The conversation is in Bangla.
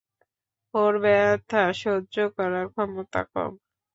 ওর ব্যথা সহ্য করার ক্ষমতা কম।